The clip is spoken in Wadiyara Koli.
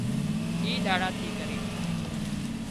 اي ۮاڙا ٿي ڪرينَ